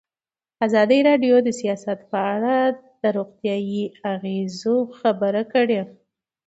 ازادي راډیو د سیاست په اړه د روغتیایي اغېزو خبره کړې.